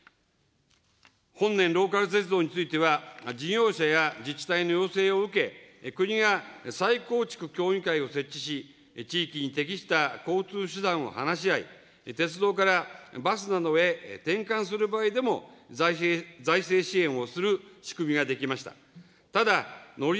本年、ローカル鉄道については、事業者や自治体の要請を受け、国が再構築協議会を設置し、地域に適した交通手段を話し合い、鉄道からバスなどへ転換するでも、財政支援をする仕組みができました。